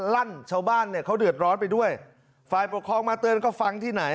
ลั่นชาวบ้านเนี่ยเขาเดือดร้อนไปด้วยฝ่ายปกครองมาเตือนก็ฟังที่ไหน